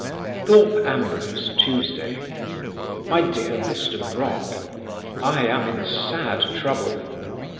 Thorpe Ambrose, Tuesday. "MY DEAR MR. BROCK I am in sad trouble.